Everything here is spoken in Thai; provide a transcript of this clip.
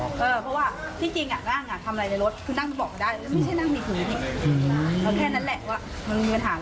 เพราะว่าที่จริงน่ะนั่งทำอะไรในรถ